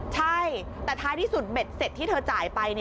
ใช่แต่ท้ายที่สุดเบ็ดเสร็จที่เธอจ่ายไป